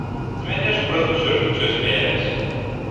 З мяне ж праз усё жыццё смяяліся.